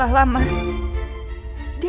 kamu nggak usah maksa nino